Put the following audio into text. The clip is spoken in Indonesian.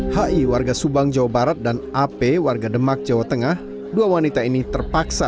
hai hai warga subang jawa barat dan ap warga demak jawa tengah dua wanita ini terpaksa